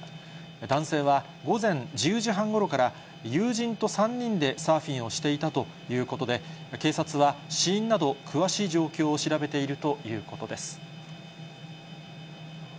男性は午前１０時半ごろから、友人と３人でサーフィンをしていたということで、警察は死因など詳しい状況を調べているということです。